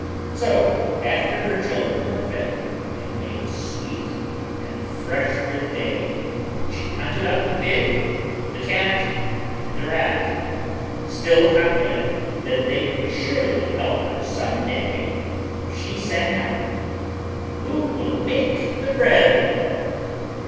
So after her children were fed and made sweet and fresh for the day, she hunted up the Pig, the Cat and the Rat. Still confident that they would surely help her some day she sang out, "Who will make the bread?"